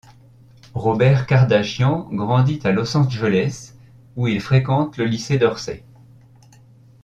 Robert Kardashian grandit à Los Angeles où il fréquente le lycée Dorsey.